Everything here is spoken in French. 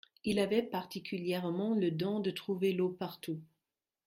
Il avait particulièrement le don de trouver l'eau partout.